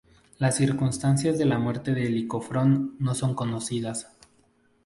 Las circunstancias de la muerte de Licofrón no son conocidas.